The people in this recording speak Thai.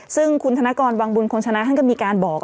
ซึ่งคุณธนกรวังบุญคงชนะท่านก็มีการบอก